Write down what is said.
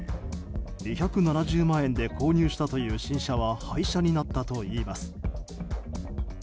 ２７０万円で購入したという新車は廃車になったといいます。